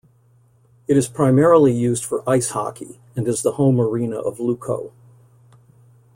It is primarily used for ice hockey, and is the home arena of Lukko.